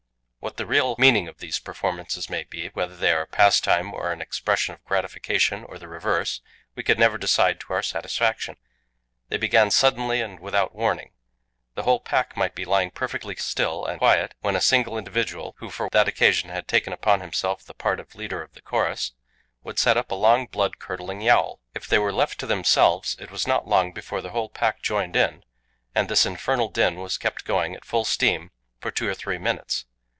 What the real meaning of these performances may be, whether they are a pastime, or an expression of gratification or the reverse, we could never decide to our satisfaction. They began suddenly and without warning. The whole pack might be lying perfectly still and quiet, when a single individual, who for that occasion had taken upon himself the part of leader of the chorus, would set up a long, blood curdling yowl. If they were left to themselves, it was not long before the whole pack joined in, and this infernal din was kept going at full steam for two or three minutes.